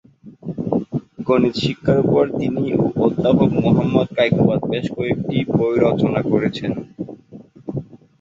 গণিত শিক্ষার উপর তিনি ও অধ্যাপক মোহাম্মদ কায়কোবাদ বেশ কয়েকটি বই রচনা করেছেন।